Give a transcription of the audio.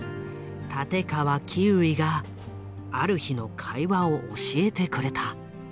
立川キウイがある日の会話を教えてくれた。